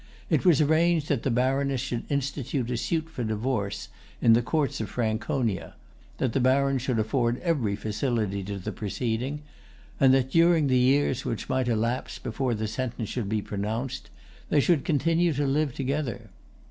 It was arranged that the baroness should institute a suit for a divorce in the courts of Franconia, that the baron should afford every facility to the proceeding, and that, during the years which might elapse before the sentence should be pronounced, they should continue to live together.